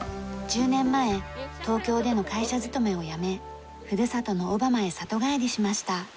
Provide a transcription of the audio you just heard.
１０年前東京での会社勤めを辞めふるさとの小浜へ里帰りしました。